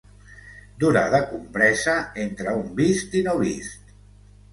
Durada compresa entre un vist i no vist.